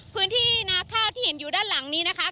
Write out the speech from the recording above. พื้นที่นาข้าวที่เห็นอยู่ด้านหลังนี้นะคะ